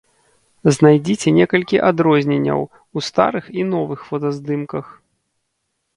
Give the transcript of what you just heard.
Знайдзіце некалькі адрозненняў у старых і новых фотаздымках.